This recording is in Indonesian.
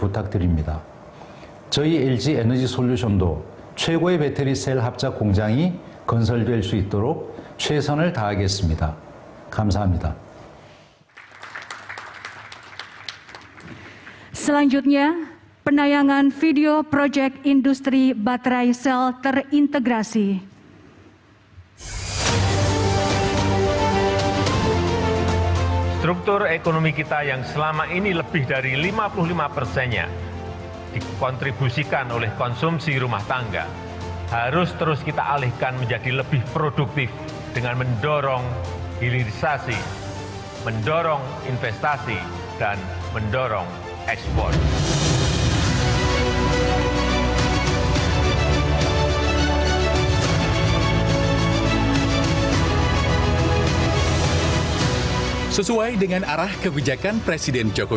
selanjutnya penayangan video projek industri baterai sel terintegrasi